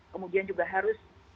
kemudian juga harus